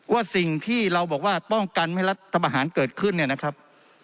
ว่าสิ่งที่เราบอกว่าป้องกันไม่รัฐประหารเกิดขึ้นเนี่ยนะครับ